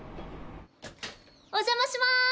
お邪魔します！